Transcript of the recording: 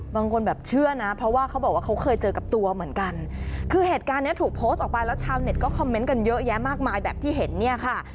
บางคนแบบเชื่อนะเพราะว่าเขาบอกว่าเขาเคยเจอกับตัวเหมือนกันคือเหตุการณ์เนี้ยถูกโพสต์ออกไปแล้วชาวเน็ตก็คอมเมนต์กันเยอะแยะมากมายแบบที่เห็นเนี่ยค่ะ